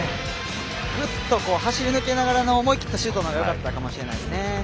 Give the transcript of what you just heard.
ぐっと走り抜きながらの思い切ったシュートならよかったかもしれないですね。